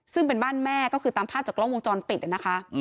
ซึ่งเป็นบ้านแม่ก็คือตามภาพจากกล้องวงจรปิดนะคะ